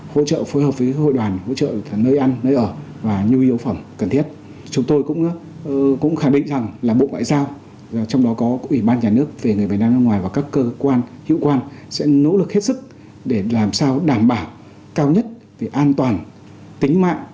hỗ trợ phiên dịch làm thủ tục tại biên giới số điện thoại